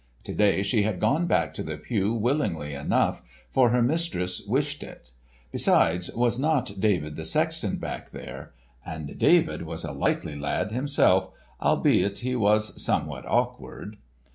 To day she had gone back to the pew willingly enough, for her mistress wished it. Besides, was not David the sexton back there? And David was a likely lad himself, albeit he was somewhat awkward.